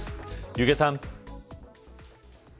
弓削さん。